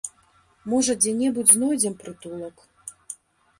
Можа дзе-небудзь знойдзем прытулак.